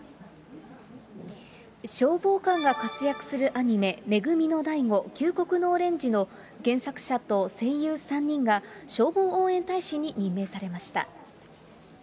消防官が活躍するアニメ、め組の大吾救国のオレンジの原作者と声優３人が、消防応援大使に任命されました。